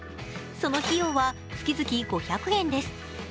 その費用は月々５００円です。